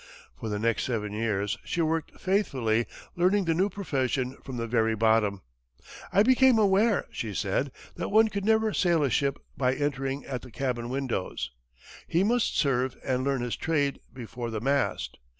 For the next seven years, she worked faithfully learning the new profession from the very bottom. "I became aware," she said, "that one could never sail a ship by entering at the cabin windows; he must serve and learn his trade before the mast."